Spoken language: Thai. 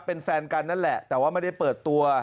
เป็นแฟนกันนั่นแหละแต่ว่าไม่ได้เปิดตัว